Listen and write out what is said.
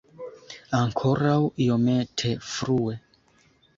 Ankoraŭ iomete frue.